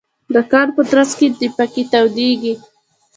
د کار په ترڅ کې د پکې تودیږي.